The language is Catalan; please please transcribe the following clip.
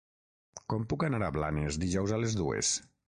Com puc anar a Blanes dijous a les dues?